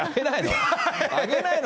挙げないの？